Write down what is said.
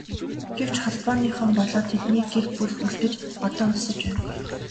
Гэвч Холбооныхон болоод тэдний гэр бүл үлдэж одоо өлсөж байна.